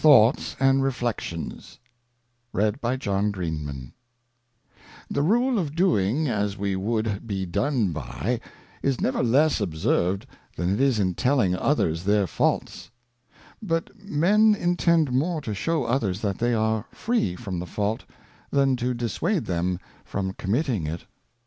Of Advice ' I "*HE Rule of doing as we would be done by, is never less "^•ection'' observed than it is in telling others their Faults. But Men intend more to shew others that they are free from the Fault, than to dissuade them from committing it.